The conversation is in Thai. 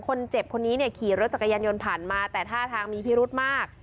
คนเจ็บคนนี้เนี่ยขี่รถจักรยานยนต์ผ่านมาแต่ท่าทางมีพิรุธมาก